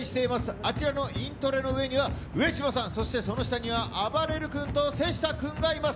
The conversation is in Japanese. あちらのイントレの上には上島さん、そしてその下にはあばれる君と瀬下君がいます。